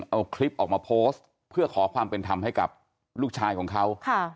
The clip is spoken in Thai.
เอาคลิปออกมาโพสต์เพื่อขอความเป็นธรรมให้กับลูกชายของเขา